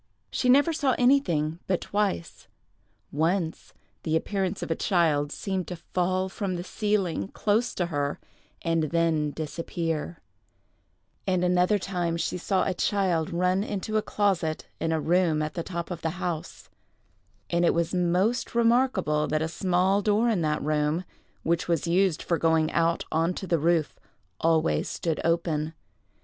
She never saw anything but twice; once, the appearance of a child seemed to fall from the ceiling, close to her, and then disappear; and another time she saw a child run into a closet in a room at the top of the house; and it was most remarkable that a small door in that room, which was used for going out on to the roof, always stood open.